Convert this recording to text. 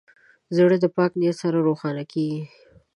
زړه د پاک نیت سره روښانه کېږي.